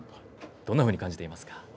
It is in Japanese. どんなふうに感じていますか？